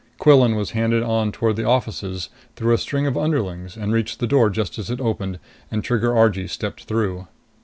Quillan was handed on toward the offices through a string of underlings and reached the door just as it opened and Trigger Argee stepped through.